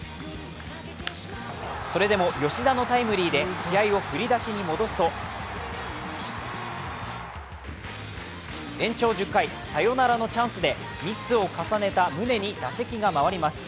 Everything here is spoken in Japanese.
それでも吉田のタイムリーで試合を振り出しに戻すと延長１０回、サヨナラのチャンスでミスを重ねた宗に打席が回ります。